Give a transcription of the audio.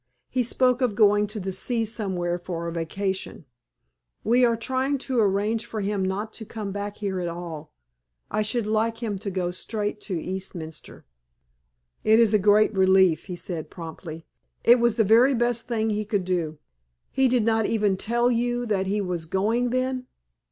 He spoke of going to the sea somewhere for a vacation. We are trying to arrange for him not to come back here at all. I should like him to go straight to Eastminster." "It is a great relief," he said, promptly; "it was the very best thing he could do. He did not even tell you that he was going then?"